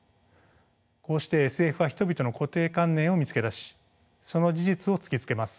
こうしてＳＦは人々の固定観念を見つけ出しその事実を突きつけます。